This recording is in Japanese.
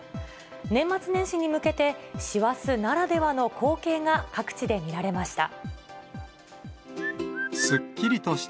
年末年始に向けて、師走ならではの光景が各地で見られました。